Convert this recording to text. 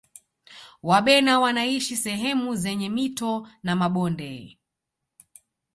wabena wanaishi sehemu zenye mito na mabonde